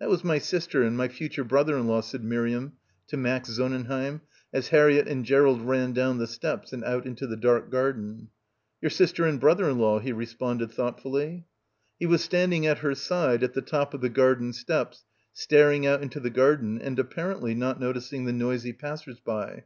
"That was my sister and my future brother in law," said Miriam to Max Sonnenheim as Harriett and Gerald ran down the steps and out into the dark garden. "Your sister and brother in law," he responded thoughtfully. He was standing at her side at the top of the garden steps staring out into the garden and ap parently not noticing the noisy passers by.